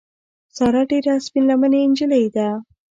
ساره ډېره سپین لمنې نجیلۍ ده.